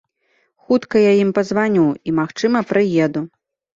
Хутка я ім пазваню і, магчыма, прыеду.